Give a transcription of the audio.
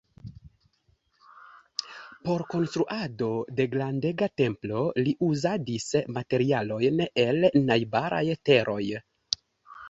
Por konstruado de grandega templo li uzadis materialojn el najbaraj teroj.